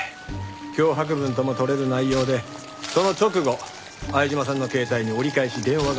脅迫文とも取れる内容でその直後相島さんの携帯に折り返し電話が入ってる。